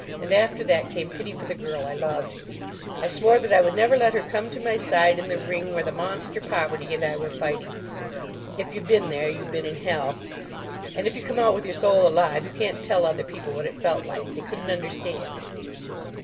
And after that came pity for the girl I loved. I swore that I would never let her come to my side in the ring where the monster Poverty and I were fighting. If you've been there you've been in hell. And if you come out with your soul alive you can't tell other people what it felt like. They couldn't understand."